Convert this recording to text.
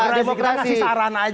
kita ngasih saran aja gitu pak